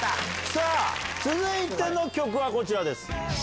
さあ、続いての曲はこちらです。